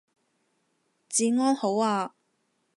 治安好啊